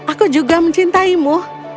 aku juga mencintaimu